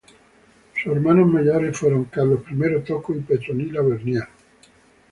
Sus hermanos mayores fueron Carlo I Tocco y Petronila Vernier.